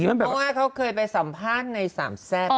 เพราะว่าเขาเคยไปสัมภาษณ์ในสามแซ่บ